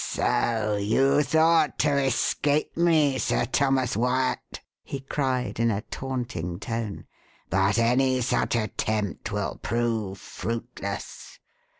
"So you thought to escape me, Sir Thomas Wyatt," he cried, in a taunting tone; "but any such attempt will prove fruitless.